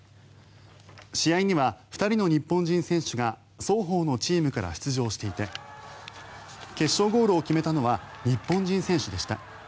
試合には２人の日本人選手が双方のチームから出場していて決勝ゴールを決めたのは日本人選手でした。